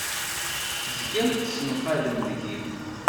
Tezgam tessenqadem deg-i!